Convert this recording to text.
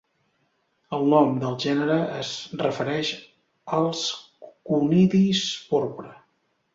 El nom del gènere es refereix als conidis porpra.